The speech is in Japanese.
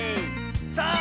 さあ